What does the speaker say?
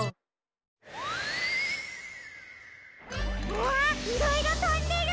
わあいろいろとんでる！